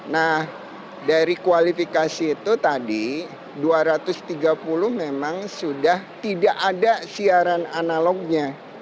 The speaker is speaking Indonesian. nah dari kualifikasi itu tadi dua ratus tiga puluh memang sudah tidak ada siaran analognya